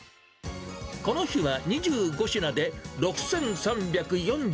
この日は２５品で６３４２円。